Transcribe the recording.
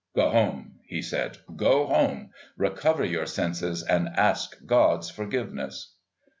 "Go home!" he said; "go home! Recover your senses and ask God's forgiveness."